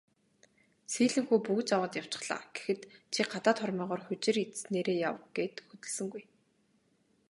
"Сүүлэн хүү бөгж аваад явчихлаа" гэхэд "Чи гадаад хормойгоор хужир идсэнээрээ яв" гээд хөдөлсөнгүй.